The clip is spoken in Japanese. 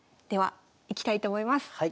ではいきたいと思います。